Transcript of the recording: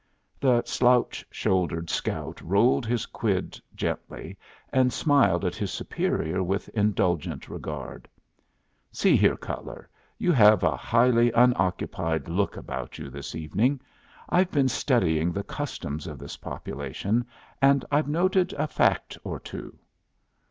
The slouch shouldered scout rolled his quid gently, and smiled at his superior with indulgent regard. "See here, Cutler, you have a highly unoccupied look about you this evening. I've been studying the customs of this population, and I've noted a fact or two."